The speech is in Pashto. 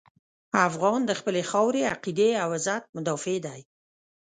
افغان د خپلې خاورې، عقیدې او عزت مدافع دی.